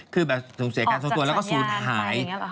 คือแบบสูญเสียการสูญตัวแล้วก็สูญหาย